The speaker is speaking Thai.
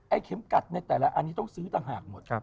เข็มกัดในแต่ละอันนี้ต้องซื้อต่างหากหมด